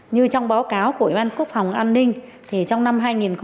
như trong báo cáo của ủy ban quốc phòng an ninh thì trong năm hai nghìn hai mươi ba